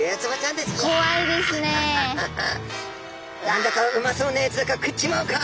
何だかうまそうなやつだから食っちまうか」。